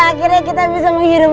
akhirnya kita bisa menghirupkan